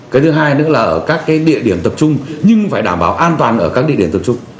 cái thứ hai nữa là ở các địa điểm tập trung nhưng phải đảm bảo an toàn ở các địa điểm tập trung